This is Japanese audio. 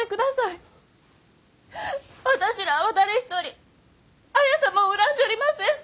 私らあは誰一人綾様を恨んじょりません！